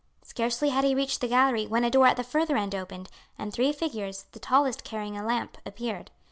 Scarcely had he reached the gallery when a door at the further end opened, and three figures, the tallest carrying a lamp, appeared.